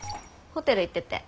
ホテル行ってて。